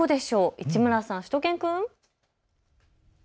市村さん、しゅと犬くん。